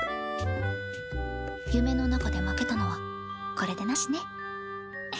夢の中で負けたのはこれでなしね。